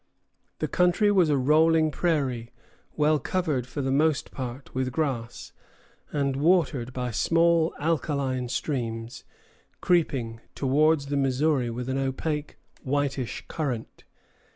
The country was a rolling prairie, well covered for the most part with grass, and watered by small alkaline streams creeping towards the Missouri with an opaque, whitish current.